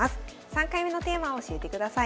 ３回目のテーマを教えてください。